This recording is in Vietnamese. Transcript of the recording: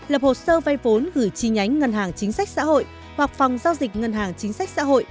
lập hồ sơ vay vốn gửi chi nhánh ngân hàng chính sách xã hội hoặc phòng giao dịch ngân hàng chính sách xã hội